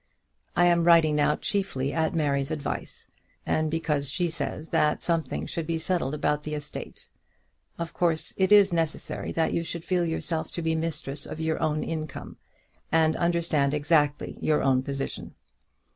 I am writing now chiefly at Mary's advice, and because she says that something should be settled about the estate. Of course it is necessary that you should feel yourself to be the mistress of your own income, and understand exactly your own position.